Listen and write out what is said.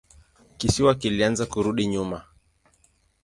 Kisiwa kilianza kurudi nyuma.